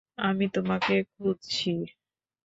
আমি তোমাকে খুঁজছি।